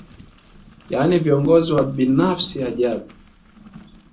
Yaani viongozi wabinafsi ajabu